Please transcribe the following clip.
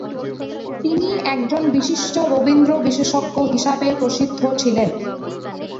তিনি একজন বিশিষ্ট রবীন্দ্র বিশেষজ্ঞ হিসাবে প্রসিদ্ধ ছিলেন।